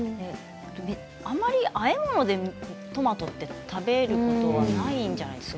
あまり、あえ物でトマトって食べることないじゃないですか。